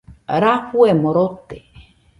Rafuemo rote.